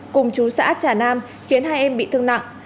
cùng chú xã trà nam khiến hai em bị thương nặng